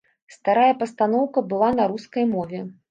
Старая пастаноўка была на рускай мове.